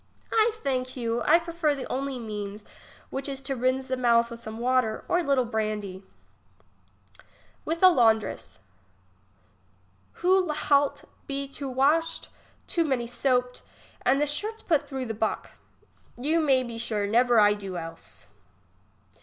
I thank you ; I prefer the only means, which is to rinse the mouth with some water, or a little brandy. IFith a laundress. Who Ihat be too washed, too many soaped, and the shirts put through the buck. You may be sure ; never I do else.